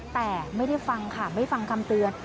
แต่ไม่ได้ฟังค่ะไม่ฟังคำเตือน